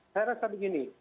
saya rasa begini